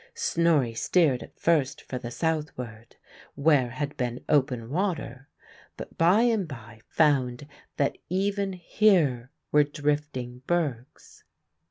Snorri steered at first for the southward, where had been open water; but by and by found that even here were drifting bergs.